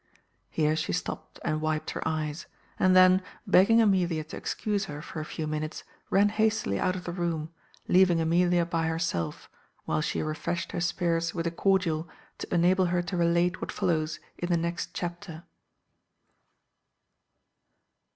Here she stopped, and wiped her eyes; and then, begging Amelia to excuse her for a few minutes, ran hastily out of the room, leaving Amelia by herself, while she refreshed her spirits with a cordial to enable her to relate what follows in the next chapter.